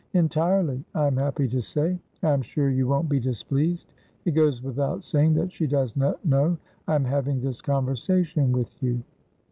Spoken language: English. "Entirely, I am happy to say. I am sure you won't be displeased. It goes without saying that she does not know I am having this conversation with you."